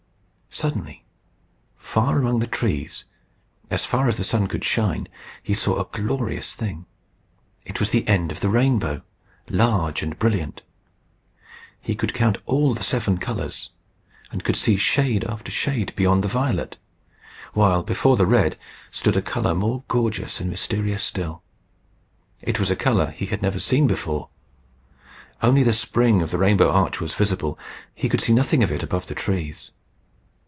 Suddenly, far among the trees, as far as the sun could shine, he saw a glorious thing. It was the end of a rainbow, large and brilliant. He could count all the seven colours, and could see shade after shade beyond the violet; while before the red stood a colour more gorgeous and mysterious still. It was a colour he had never seen before. Only the spring of the rainbow arch was visible. He could see nothing of it above the trees.